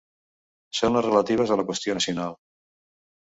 Són les relatives a la qüestió nacional.